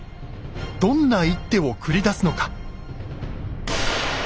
どんな一手を繰り出すのか。